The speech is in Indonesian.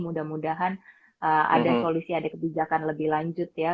mudah mudahan ada solusi ada kebijakan lebih lanjut ya